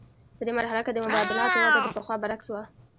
په دې مرحله کې د مبادلاتو وده د پخوا برعکس وه